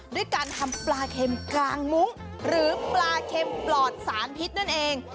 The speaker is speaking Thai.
ด้วยการทำปลาเค็มกลางมุ้งหรือปลาเค็มปลอดสารพิษนั่นเอง